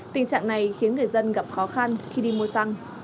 tình trạng này khiến người dân gặp khó khăn khi đi mua xăng